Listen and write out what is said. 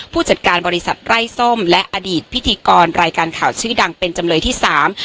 ผู้จัดการบริษัทไร้ส้มและอดีตพิธีกรรายการข่าวชื่อดังเป็นจำเลยที่สาม